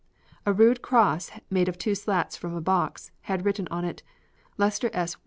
A rude cross made of two slats from a box had written on it: "Lester S.